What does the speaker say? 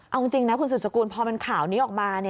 เอาจริงนะคุณสุดสกุลพอมันข่าวนี้ออกมา